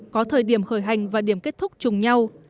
có thời điểm khởi hành và điểm kết thúc chung nhau